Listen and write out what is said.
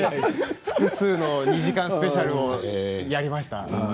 複数の２時間スペシャルをやりました。